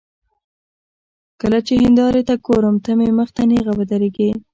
کله چې هندارې ته ګورم، ته مې مخ ته نېغه ودرېږې